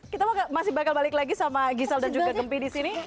kita masih bakal balik lagi sama gisal dan juga gempi di sini